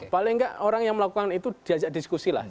paling nggak orang yang melakukan itu diajak diskusi lah